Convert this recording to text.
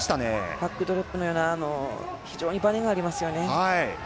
バックドロップのような非常にばねがありますよね。